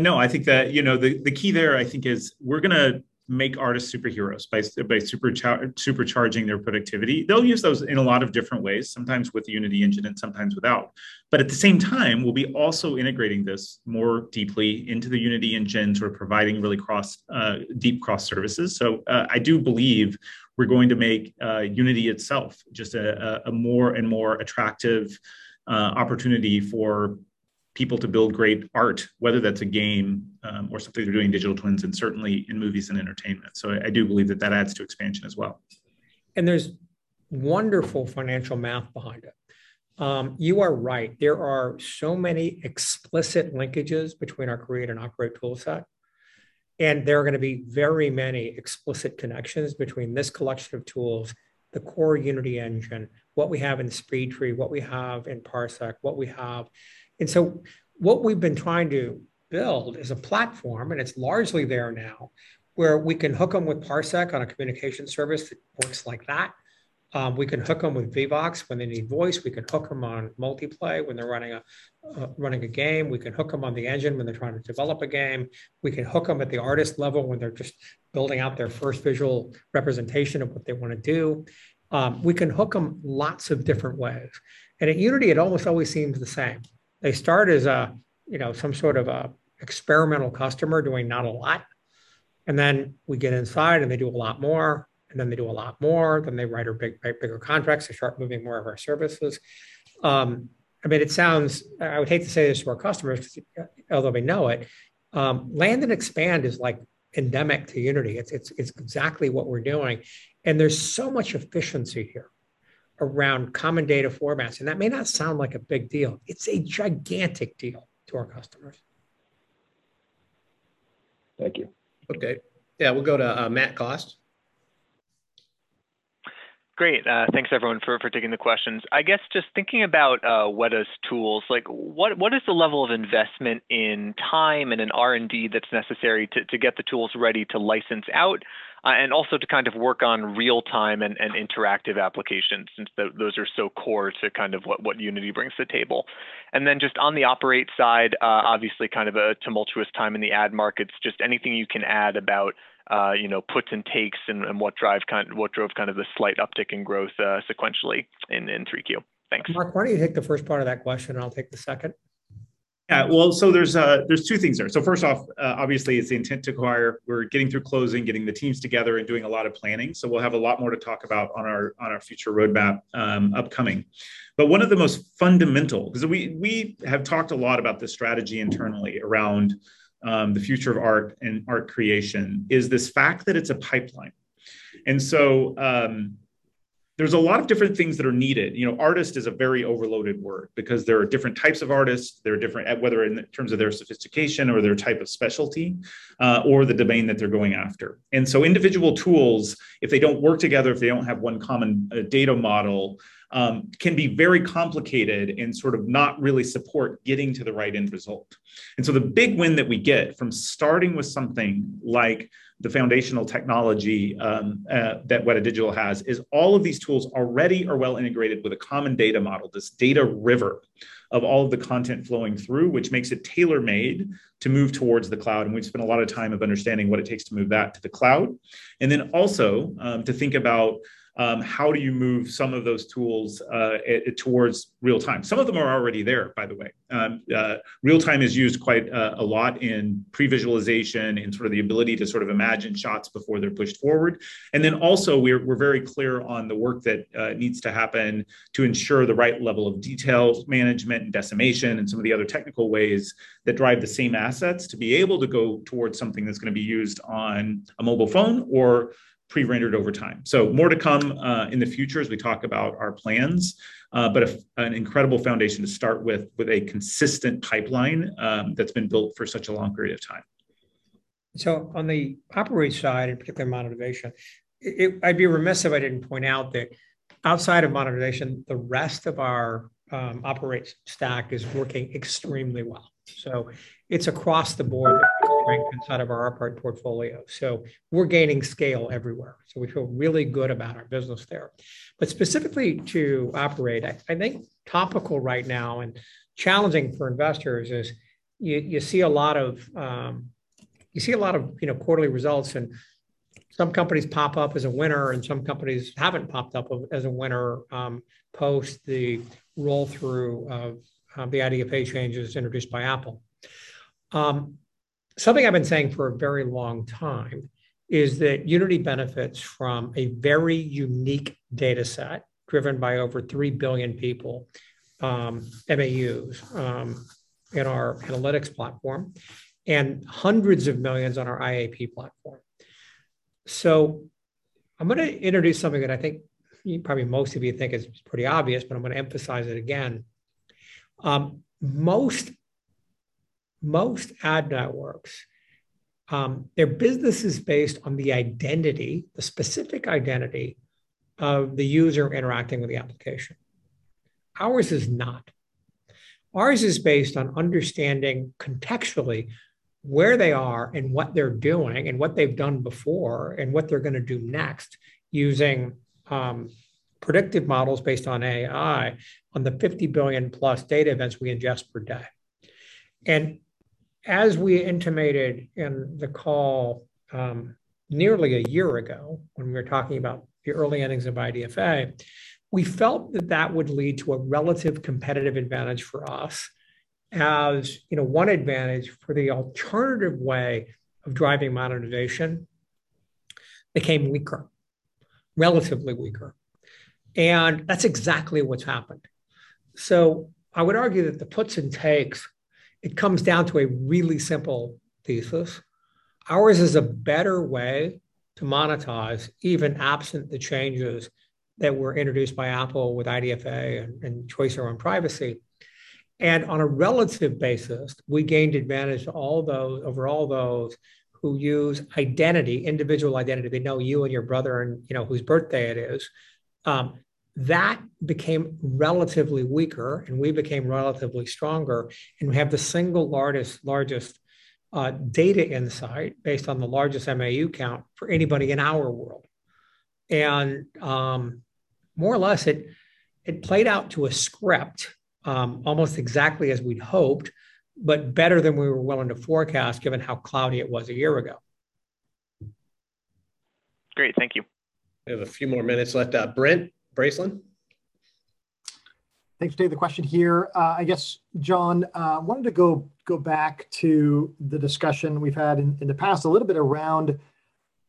No, I think that, you know, the key there I think is we're gonna make artists superheroes by supercharging their productivity. They'll use those in a lot of different ways, sometimes with the Unity Engine and sometimes without. At the same time, we'll be also integrating this more deeply into the Unity Engine, sort of providing really cross, deep cross services. I do believe we're going to make Unity itself just a more and more attractive opportunity for people to build great art, whether that's a game, or something they're doing in digital twins and certainly in movies and entertainment. I do believe that that adds to expansion as well. There's wonderful financial math behind it. You are right. There are so many explicit linkages between our create and operate tool set, and there are gonna be very many explicit connections between this collection of tools, the core Unity Engine, what we have in SpeedTree, what we have in Parsec, what we have. What we've been trying to build is a platform, and it's largely there now, where we can hook them with Parsec on a communication service that works like that. We can hook them with Vivox when they need voice. We can hook them on Multiplay when they're running a game. We can hook them on the Engine when they're trying to develop a game. We can hook them at the artist level when they're just building out their first visual representation of what they wanna do. We can hook them lots of different ways. At Unity, it almost always seems the same. They start as a, you know, some sort of a experimental customer doing not a lot, and then we get inside, and they do a lot more, and then they do a lot more. They write our big, bigger contracts. They start moving more of our services. I mean, it sounds, I would hate to say this to our customers, although they know it, land and expand is like endemic to Unity. It's exactly what we're doing. There's so much efficiency here around common data formats, and that may not sound like a big deal. It's a gigantic deal to our customers. Thank you. Okay. Yeah, we'll go to Matt Cost. Great. Thanks everyone for taking the questions. I guess just thinking about Wētā's tools, like what is the level of investment in time and in R&D that's necessary to get the tools ready to license out, and also to kind of work on real-time and interactive applications since those are so core to kind of what Unity brings to the table? Just on the operate side, obviously kind of a tumultuous time in the ad markets, just anything you can add about, you know, puts and takes and what drove kind of the slight uptick in growth, sequentially in Q3. Thanks. Marc, why don't you take the first part of that question, and I'll take the second? There are two things there. First off, obviously, it's the intent to acquire. We're getting through closing, getting the teams together, and doing a lot of planning. We'll have a lot more to talk about on our future roadmap upcoming. But one of the most fundamental, 'cause we have talked a lot about this strategy internally around the future of art and art creation, is this fact that it's a pipeline. There's a lot of different things that are needed. You know, artist is a very overloaded word because there are different types of artists. There are different, whether in terms of their sophistication or their type of specialty, or the domain that they're going after. Individual tools, if they don't work together, if they don't have one common data model, can be very complicated and sort of not really support getting to the right end result. The big win that we get from starting with something like the foundational technology that Wētā Digital has is all of these tools already are well integrated with a common data model, this data river of all of the content flowing through, which makes it tailor-made to move towards the cloud, and we've spent a lot of time understanding what it takes to move that to the cloud, to think about how do you move some of those tools towards real time. Some of them are already there, by the way. Real time is used quite a lot in previsualization and sort of the ability to sort of imagine shots before they're pushed forward. We're very clear on the work that needs to happen to ensure the right level of detail management and decimation and some of the other technical ways that drive the same assets to be able to go towards something that's gonna be used on a mobile phone or pre-rendered over time. More to come in the future as we talk about our plans. An incredible foundation to start with a consistent pipeline that's been built for such a long period of time. On the operate side, in particular monetization, I'd be remiss if I didn't point out that outside of monetization, the rest of our operate stack is working extremely well. It's across the board inside of our operate portfolio. We're gaining scale everywhere. We feel really good about our business there. Specifically to operate, I think topical right now and challenging for investors is you see a lot of, you know, quarterly results, and some companies pop up as a winner, and some companies haven't popped up as a winner, post the roll-through of the IDFA changes introduced by Apple. Something I've been saying for a very long time is that Unity benefits from a very unique data set driven by over three billion people, MAUs, in our analytics platform and hundreds of millions on our IAP platform. I'm gonna introduce something that I think probably most of you think is pretty obvious, but I'm gonna emphasize it again. Most ad networks, their business is based on the identity, the specific identity of the user interacting with the application. Ours is not. Ours is based on understanding contextually where they are and what they're doing and what they've done before and what they're gonna do next using predictive models based on AI on the 50 billion-plus data events we ingest per day. As we intimated in the call, nearly a year ago when we were talking about the early innings of IDFA, we felt that that would lead to a relative competitive advantage for us as, you know, one advantage for the alternative way of driving monetization became weaker, relatively weaker. That's exactly what's happened. I would argue that the puts and takes, it comes down to a really simple thesis. Ours is a better way to monetize even absent the changes that were introduced by Apple with IDFA and choice around privacy. On a relative basis, we gained advantage over all those who use identity, individual identity. They know you and your brother and, you know, whose birthday it is. That became relatively weaker, and we became relatively stronger, and we have the single largest data insight based on the largest MAU count for anybody in our world. More or less, it played out to a script, almost exactly as we'd hoped, but better than we were willing to forecast given how cloudy it was a year ago. Great. Thank you. We have a few more minutes left. Brent Bracelin. Thanks, Dave. The question here, I guess, John wanted to go back to the discussion we've had in the past a little bit around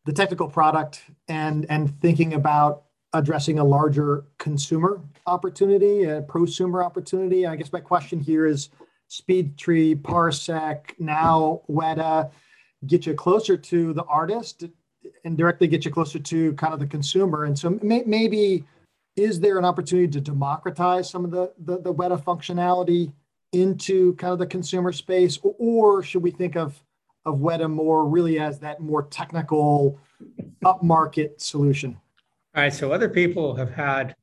the technical product and thinking about addressing a larger consumer opportunity, a prosumer opportunity. I guess my question here is SpeedTree, Parsec, now Wētā get you closer to the artist and directly get you closer to kind of the consumer. Maybe is there an opportunity to democratize some of the Wētā functionality into kind of the consumer space, or should we think of Wētā more really as that more technical up market solution? All right. Other people have had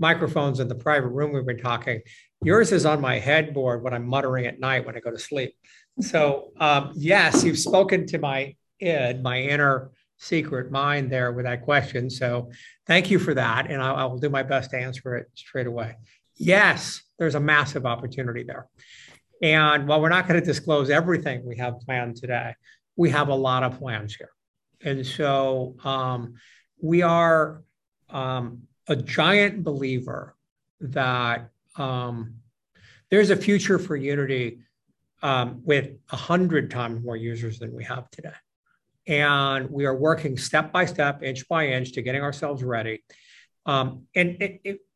microphones in the private room we've been talking. Yours is on my headboard when I'm muttering at night when I go to sleep. Yes, you've spoken to my id, my inner secret mind there with that question. Thank you for that, and I'll do my best to answer it straight away. Yes, there's a massive opportunity there. While we're not gonna disclose everything we have planned today, we have a lot of plans here. We are a giant believer that there's a future for Unity with 100 times more users than we have today. We are working step by step, inch by inch to getting ourselves ready. Think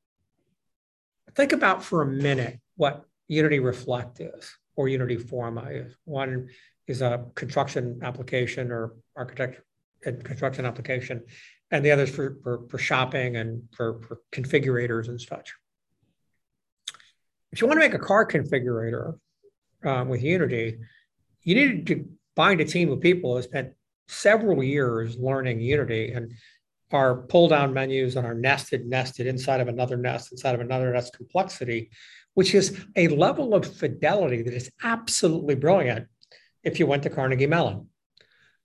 about for a minute what Unity Reflect is or Unity Forma is. One is a construction application or architectural construction application, and the other's for shopping and for configurators and such. If you wanna make a car configurator with Unity, you need to find a team of people who spent several years learning Unity and our pull-down menus and our nested inside of another nest, inside of another nest complexity, which is a level of fidelity that is absolutely brilliant if you went to Carnegie Mellon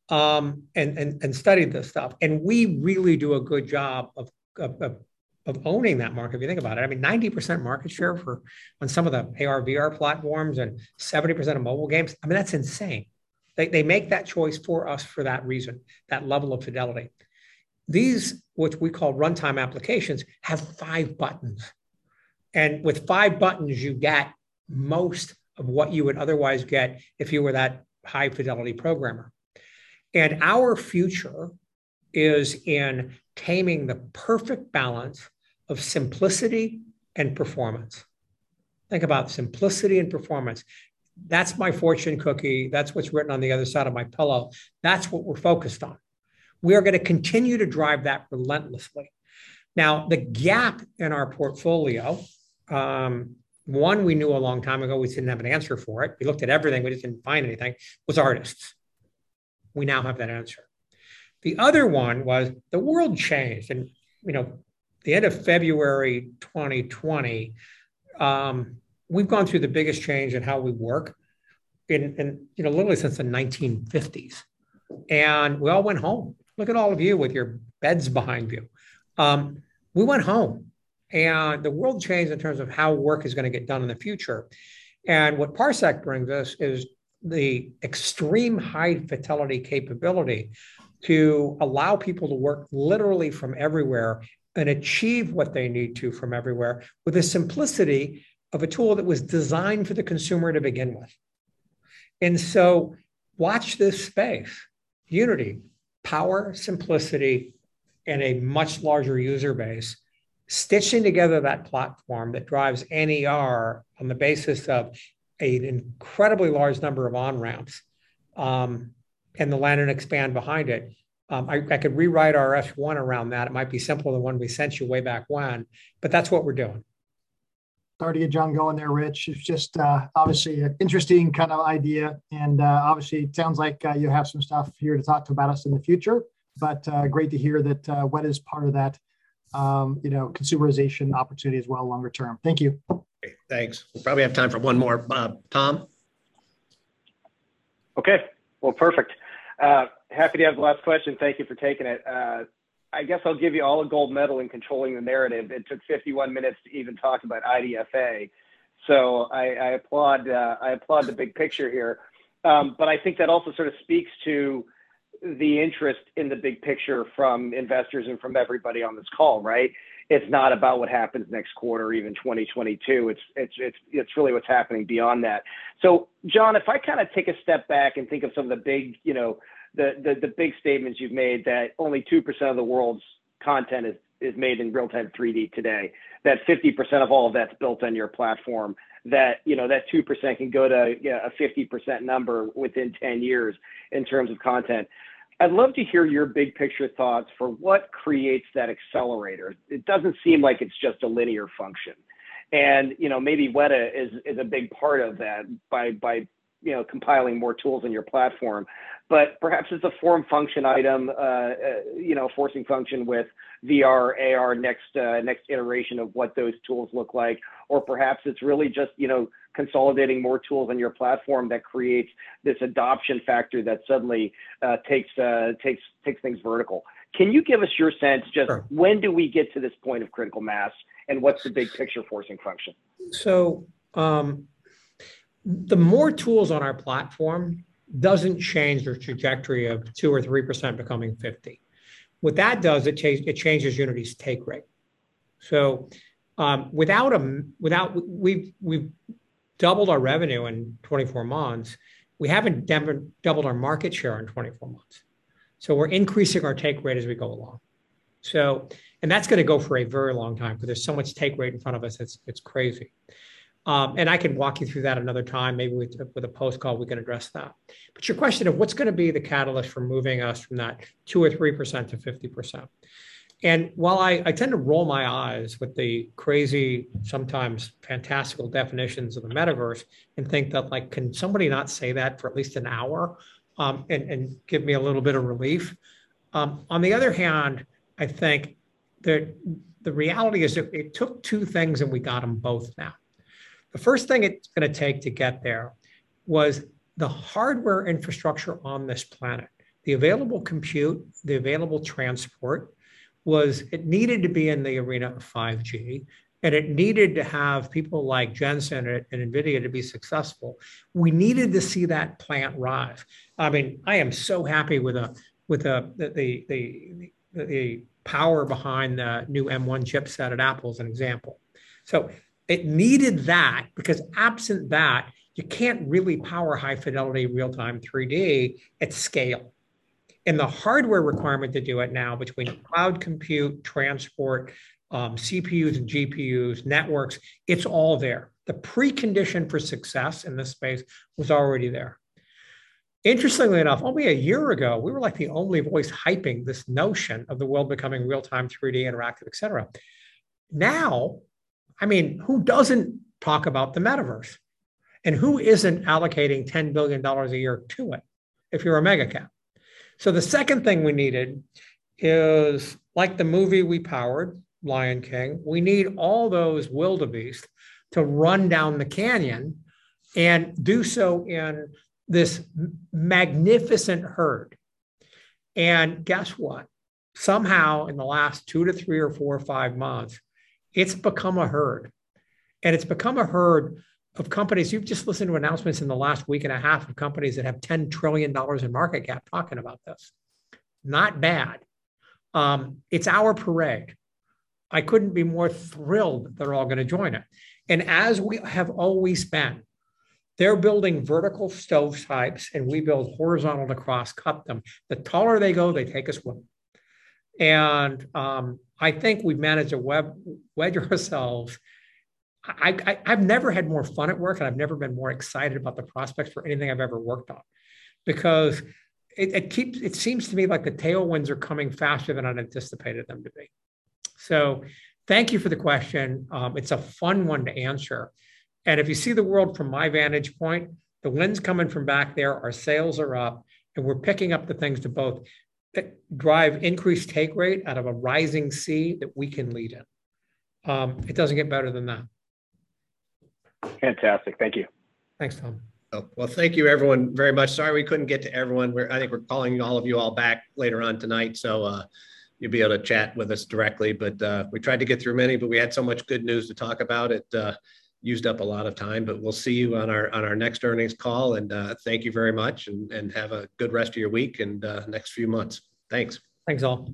and studied this stuff. We really do a good job of owning that market, if you think about it. I mean, 90% market share in some of the AR/VR platforms and 70% of mobile games, I mean, that's insane. They make that choice for us for that reason, that level of fidelity. These, what we call runtime applications, have five buttons, and with five buttons you get most of what you would otherwise get if you were that high-fidelity programmer. Our future is in taming the perfect balance of simplicity and performance. Think about simplicity and performance. That's my fortune cookie. That's what's written on the other side of my pillow. That's what we're focused on. We are gonna continue to drive that relentlessly. Now, the gap in our portfolio, one we knew a long time ago, we didn't have an answer for it. We looked at everything, we just didn't find anything. It was artists. We now have that answer. The other one was the world changed and, you know, the end of February 2020, we've gone through the biggest change in how we work, you know, literally since the 1950s. We all went home. Look at all of you with your beds behind you. We went home, and the world changed in terms of how work is gonna get done in the future. What Parsec brings us is the extreme high-fidelity capability to allow people to work literally from everywhere and achieve what they need to from everywhere with the simplicity of a tool that was designed for the consumer to begin with. Watch this space. Unity, power, simplicity, and a much larger user base stitching together that platform that drives NER on the basis of an incredibly large number of on-ramps, and the land and expand behind it. I could rewrite our S-1 around that. It might be simpler than when we sent you way back when, but that's what we're doing. Sorry to get John going there, Rich. It's just, obviously an interesting kind of idea and, obviously it sounds like, you have some stuff here to talk to about us in the future, but, great to hear that, Wētā is part of that, you know, consumerization opportunity as well longer term. Thank you. Great. Thanks. We probably have time for one more. Tom. Okay. Well, perfect. Happy to have the last question. Thank you for taking it. I guess I'll give you all a gold medal in controlling the narrative. It took 51 minutes to even talk about IDFA. So I applaud the big picture here. But I think that also sort of speaks to the interest in the big picture from investors and from everybody on this call, right? It's not about what happens next quarter or even 2022. It's really what's happening beyond that. John, if I kind of take a step back and think of some of the big, you know, the big statements you've made that only 2% of the world's content is made in real-time 3D today, that 50% of all of that's built on your platform, that, you know, that 2% can go to a 50% number within 10 years in terms of content. I'd love to hear your big-picture thoughts for what creates that accelerator. It doesn't seem like it's just a linear function. You know, maybe Wētā is a big part of that by, you know, compiling more tools in your platform. But perhaps it's a forcing function with VR, AR, next iteration of what those tools look like. Perhaps it's really just, you know, consolidating more tools in your platform that creates this adoption factor that suddenly takes things vertical. Can you give us your sense just- Sure When do we get to this point of critical mass, and what's the big picture forcing function? The more tools on our platform doesn't change the trajectory of 2% to 3% becoming 50%. What that does, it changes Unity's take rate. We've doubled our revenue in 24 months. We haven't doubled our market share in 24 months. We're increasing our take rate as we go along. That's gonna go for a very long time, because there's so much take rate in front of us, it's crazy. I can walk you through that another time. Maybe with a post call, we can address that. Your question of what's gonna be the catalyst for moving us from that 2% to 3% to 50%. While I tend to roll my eyes with the crazy, sometimes fantastical definitions of the metaverse and think that, like, can somebody not say that for at least an hour, and give me a little bit of relief. On the other hand, I think that the reality is that it took two things, and we got them both now. The first thing it's gonna take to get there was the hardware infrastructure on this planet. The available compute, the available transport was it needed to be in the arena of 5G, and it needed to have people like Jensen and NVIDIA to be successful. We needed to see that plant rise. I mean, I am so happy with the power behind the new M1 chipset at Apple as an example. It needed that because absent that, you can't really power high-fidelity real-time 3D at scale. The hardware requirement to do it now between cloud compute, transport, CPUs and GPUs, networks, it's all there. The precondition for success in this space was already there. Interestingly enough, only a year ago, we were like the only voice hyping this notion of the world becoming real-time, 3D interactive, et cetera. Now, I mean, who doesn't talk about the metaverse? Who isn't allocating $10 billion a year to it if you're a mega cap? The second thing we needed is like the movie we powered, The Lion King, we need all those wildebeest to run down the canyon and do so in this magnificent herd. Guess what? Somehow in the last two to three or four or five months, it's become a herd. It's become a herd of companies. You've just listened to announcements in the last week and a half of companies that have $10 trillion in market cap talking about this. Not bad. It's our parade. I couldn't be more thrilled they're all gonna join it. As we have always been, they're building vertical stovepipes, and we build horizontal to cross-cut them. The taller they go, they take us with them. I think we manage to wedge ourselves. I've never had more fun at work, and I've never been more excited about the prospects for anything I've ever worked on because it seems to me like the tailwinds are coming faster than I'd anticipated them to be. Thank you for the question. It's a fun one to answer. If you see the world from my vantage point, the wind's coming from back there, our sails are up, and we're picking up the things to both drive increased take rate out of a rising sea that we can lead in. It doesn't get better than that. Fantastic. Thank you. Thanks, Tom. Oh, well, thank you everyone very much. Sorry we couldn't get to everyone. I think we're calling all of you back later on tonight, so you'll be able to chat with us directly. We tried to get through many, but we had so much good news to talk about it, used up a lot of time. We'll see you on our next earnings call. Thank you very much and have a good rest of your week and next few months. Thanks. Thanks all.